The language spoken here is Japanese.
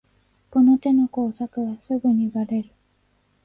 この手の工作はすぐにバレる